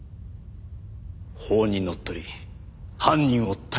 法にのっとり犯人を逮捕する。